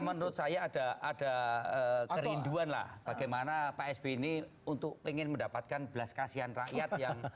menurut saya ada kerinduan lah bagaimana pak sby ini untuk ingin mendapatkan belas kasihan rakyat yang